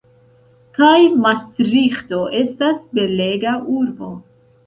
Kaj Mastriĥto estas belega urbo.